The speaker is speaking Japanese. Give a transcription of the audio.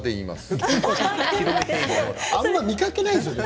笑い声あまり見かけないですよね